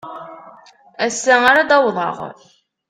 Ass-a ara d-awḍeɣ.